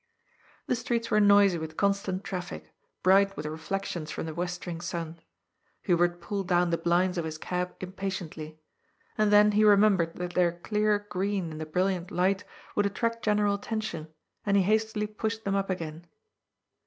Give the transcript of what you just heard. The streets were noisy with constant traffic, bright with reflections from the westering sun. Hubert pulled down the blinds of his cab impatiently. And then he remem bered that their clear green in the brilliant light would 26 402 GOD'S POOL. attract general attention, and he hastily poshed them up again.